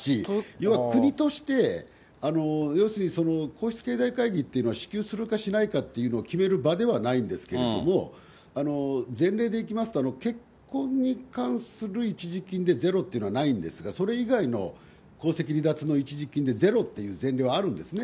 要は国として、要するに皇室経済会議っていうのは、支給するかしないかっていうのを決める場ではないんですけれども、前例でいきますと、結婚に関する一時金でゼロっていうのはないんですが、それ以外の皇籍離脱の一時金でゼロっていう前例はあるんですね。